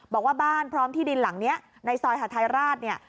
บอกว่าบ้านพร้อมที่ดินหลังนี้ในซอยหาทัยราชเนี่ย